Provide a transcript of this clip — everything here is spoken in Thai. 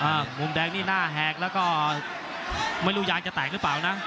มุมแดงนี่หน้าแหกแล้วก็ไม่รู้ยางจะแตกหรือเปล่านะ